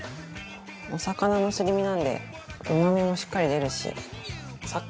お魚のすり身なんでうまみもしっかり出るし。